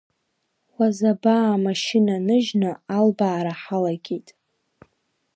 Уазабаа амашьына ныжьны албаара ҳалагеит.